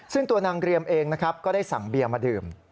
ซึ่งตัวนางเรียมเองก็ได้สั่งเบียนมาดื่ม